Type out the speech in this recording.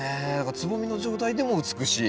つぼみの状態でも美しい。